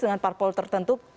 dengan parpol tertentu